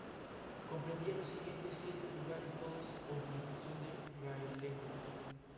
Comprendía los siguientes siete lugares, todos con jurisdicción de realengo.